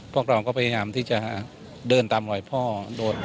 พวกเราก็พยายามที่จะเดินตามรอยพ่อ